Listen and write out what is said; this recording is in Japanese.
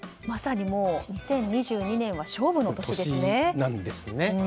まさに２０２２年は勝負の年ですね。